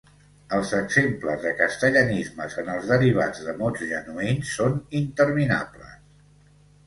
Els exemples de castellanismes en els derivats de mots genuïns són interminables.